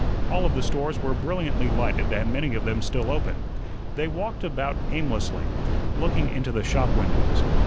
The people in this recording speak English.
All of the stores were brilliantly lighted and many of them still open. They walked about aimlessly, looking into the shop windows.